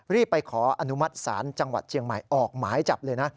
รีบไปขออนุมัติศาลจังหวัดเชียงใหม่ออกหมายจับเลยนะ